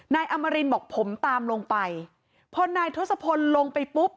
นายอมรินบอกผมตามลงไปพอนายทศพลลงไปปุ๊บ